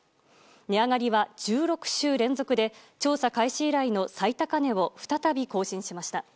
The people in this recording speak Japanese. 値上がりは１６週連続で調査開始以来の最高値を再び更新しました。